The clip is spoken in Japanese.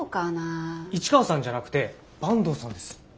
市川さんじゃなくて坂東さんです。